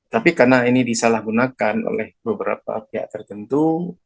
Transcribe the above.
tapi karena ini disalahgunakan oleh beberapa pihak tertentu